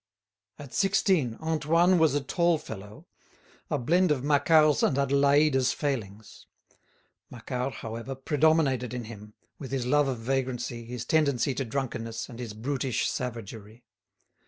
At sixteen, Antoine was a tall fellow, a blend of Macquart's and Adélaïde's failings. Macquart, however, predominated in him, with his love of vagrancy, his tendency to drunkenness, and his brutish savagery.